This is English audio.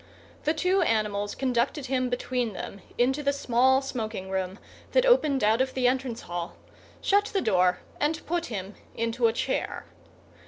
The two animals conducted him between them into the small smoking room that opened out of the entrance hall, shut the door, and put him into a chair.